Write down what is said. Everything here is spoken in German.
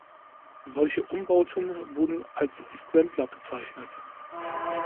Solche Umbauten wurden als "Scrambler" bezeichnet.